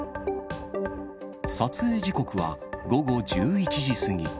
撮影時刻は午後１１時過ぎ。